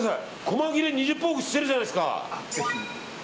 細切れ２０％オフしてるじゃないですか。